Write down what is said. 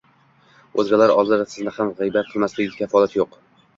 o‘zgalar oldida sizni ham g‘iybat qilmasligiga kafolat yo‘q.